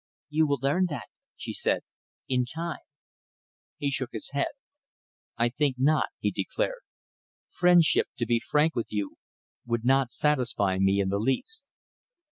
"You will learn that," she said, "in time." He shook his head. "I think not," he declared. "Friendship, to be frank with you, would not satisfy me in the least."